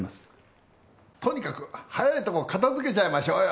とにかく早いとこ片づけちゃいましょうよ。